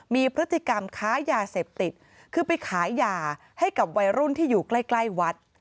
มีพฤติกรรมค้ายาเสพติดคือไปขายยาให้กับวัยรุ่นที่อยู่ใกล้ใกล้วัด